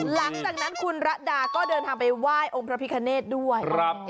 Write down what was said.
หลังจากนั้นคุณระดาก็เดินทางไปไหว้องค์พระพิคเนธด้วย